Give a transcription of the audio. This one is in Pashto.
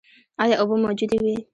ایا اوبه موجودې وې؟